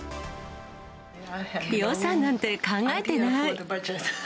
予算なんて考えてない。